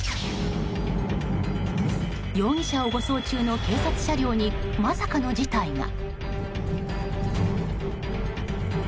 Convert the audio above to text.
容疑者を護送中の警察車両にまさかの事態が。